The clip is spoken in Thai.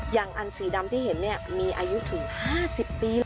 อย่างอันสีดำที่เห็นมีอายุถึง๕๐ปี